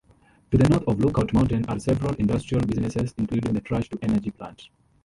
To the north of Lookout Mountain are several industrial businesses, including the trash-to-energy plant.